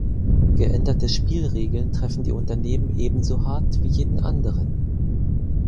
Geänderte Spielregeln treffen die Unternehmen ebenso hart wie jeden anderen.